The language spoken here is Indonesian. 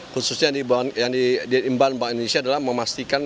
khususnya yang diimban bank indonesia adalah memastikan